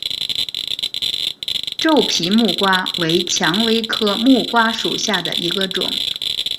皱皮木瓜为蔷薇科木瓜属下的一个种。